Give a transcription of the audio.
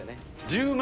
１０万。